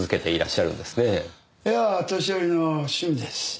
絵は年寄りの趣味です。